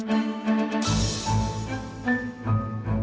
bahagian data kok agak murah